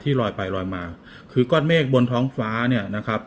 ลอยไปลอยมาคือก้อนเมฆบนท้องฟ้าเนี่ยนะครับ